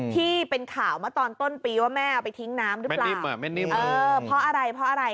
ที่เป็นข่าวมาตอนต้นปีว่าแม่เอาไปทิ้งน้ำหรือเปล่าเพราะอะไรเพราะอะไร